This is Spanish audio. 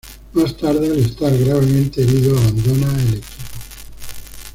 Más tarde al estar gravemente herido, abandona el equipo.